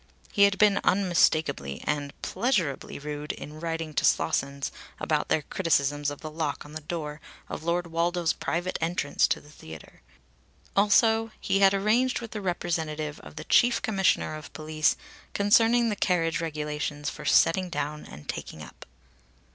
He had been unmistakably and pleasurably rude in writing to Slossons about their criticisms of the lock on the door of Lord Woldo's private entrance to the theatre. Also he had arranged with the representative of the Chief Commissioner of Police concerning the carriage regulations for "setting down and taking up."